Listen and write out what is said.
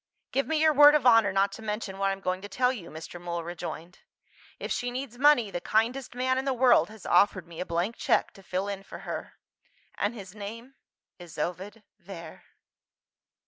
"Give me your word of honour not to mention what I am going to tell you," Mr. Mool rejoined. "If she needs money, the kindest man in the world has offered me a blank cheque to fill in for her and his name is Ovid Vere."